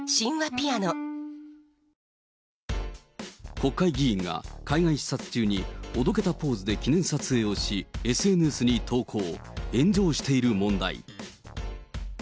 国会議員が海外視察中におどけたポーズで記念撮影をし、ＳＮＳに投稿、炎上している問題。